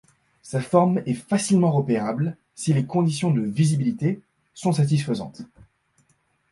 Sa forme est facilement repérable, si les conditions de visibilités sont satisfaisantes.